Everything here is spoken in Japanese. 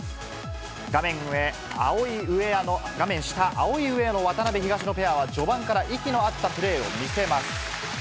画面上、青いウエアの、画面下、青いウエアの渡辺・東野ペアは序盤から息の合ったプレーを見せます。